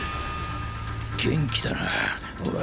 元気だなおい。